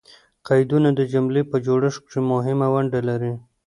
قیدونه د جملې په جوړښت کښي مهمه ونډه لري.